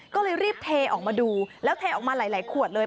ก็เลยรีบเทออกมาดูแล้วเทออกมาหลายขวดเลย